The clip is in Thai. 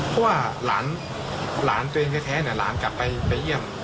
เพราะว่าหลานตัวเองแท้หลานกลับไปเยี่ยม